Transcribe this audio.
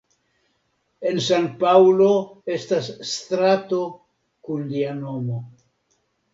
En San-Paŭlo estas strato kun lia nomo.